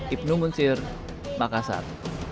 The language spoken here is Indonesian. ibnu muncir makassar